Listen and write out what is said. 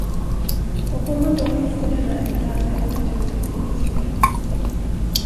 Och om man då mister denna enda, är det naturligtvis inte så lätt.